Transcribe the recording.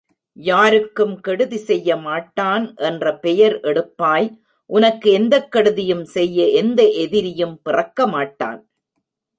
யாருக்கும் கெடுதி செய்யமாட்டான் என்ற பெயர் எடுப்பாய் உனக்கு எந்தக் கெடுதியும் செய்ய எந்த எதிரியும் பிறக்கமாட்டான்.